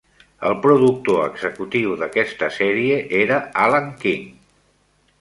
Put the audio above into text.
El productor executiu d'aquesta sèrie era Alan King.